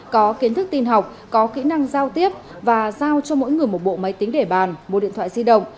có kiến thức tin học có kỹ năng giao tiếp và giao cho mỗi người một bộ máy tính để bàn mua điện thoại di động